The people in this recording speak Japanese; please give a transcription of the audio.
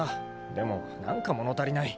でも何か物足りない。